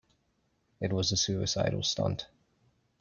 It was a suicidal stunt.